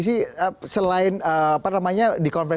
yang menghormati yang menghormati